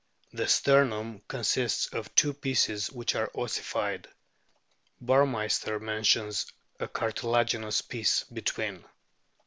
The sternum consists of two pieces which are ossified ; Burmeister mentions a cartilagin ous piece between.